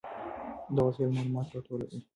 دا وسایل معلومات راټولوي.